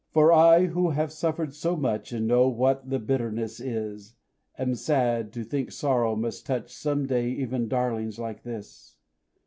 For I, who have suffered so much, And know what the bitterness is, Am sad to think sorrow must touch Some day even darlings like this!